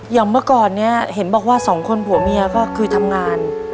๕๐๐๐๖๐๐๐อย่างเมื่อก่อนเนี่ยเห็นบอกว่า๒คนผู้แมวก่อนคือทำงาน